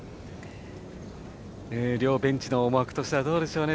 両ベンチの思惑としてはどうでしょうか。